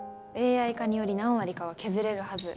ＡＩ化により何割かは削れるはず。